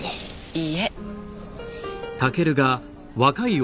いいえ。